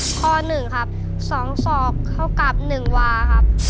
ข้อ๑ครับ๒ศอกเข้ากับ๑วาครับ